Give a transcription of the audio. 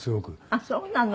あっそうなの？